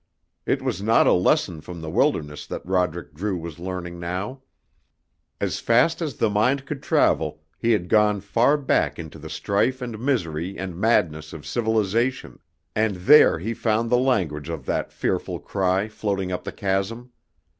It was not a lesson from the wilderness that Roderick Drew was learning now. As fast as the mind could travel he had gone far back into the strife and misery and madness of civilization, and there he found the language of that fearful cry floating up the chasm.